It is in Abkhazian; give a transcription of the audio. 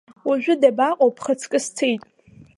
Уажәы дабаҟоу, бхаҵкы сцеит?!